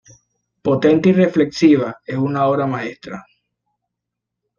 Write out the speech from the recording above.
Potente y reflexiva, es una obra maestra".